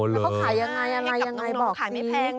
แล้วก็ขายยังไงบอกสิ